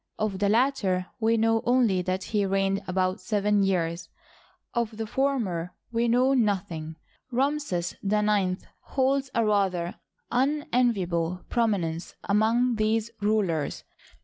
Of the latter, we know only that he reigfned about seven years ; of the former, we know noth ing. Ramses IX holds a rather unenviable prominence among these rulers.